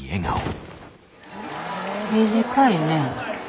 短いね。